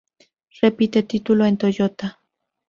Repite título en Toyota.